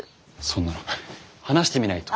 そんなの話してみないと。